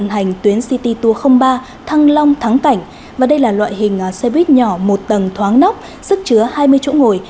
đây là loại hình tuyến city tour ba thăng long thắng cảnh và đây là loại hình xe buýt nhỏ một tầng thoáng nóc sức chứa hai mươi chỗ ngồi